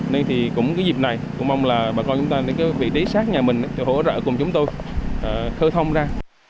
nên thì cũng cái dịp này cũng mong là bà con chúng ta nên cái vị trí sát nhà mình hỗ trợ cùng chúng tôi khơi thông ra